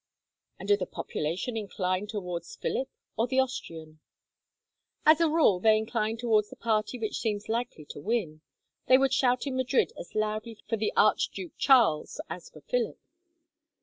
"And do the population incline towards Philip or the Austrian?" "As a rule, they incline towards the party which seems likely to win. They would shout in Madrid as loudly for the Archduke Charles as for Philip.